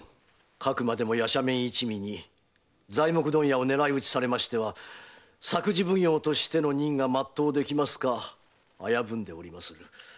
かくまでも夜叉面一味に材木問屋を狙い撃ちされましては作事奉行としての任がまっとうできますか危ぶんでおります。